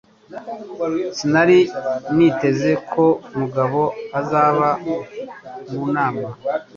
Sinari niteze ko Mugabo azaba mu nama.